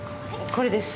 これです。